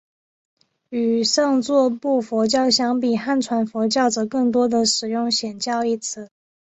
与上座部佛教相比汉传佛教则更多地使用显教一词。